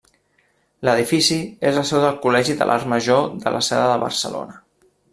L'edifici és la seu del Col·legi de l'Art Major de la Seda de Barcelona.